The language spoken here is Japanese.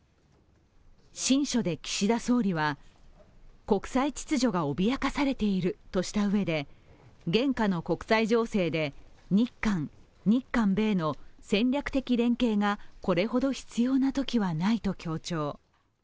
親書で岸田総理は、国際秩序が脅かされているとしたうえで現下の国際情勢で日韓、日韓米の戦略的連携がこれほど必要なときはないと強調。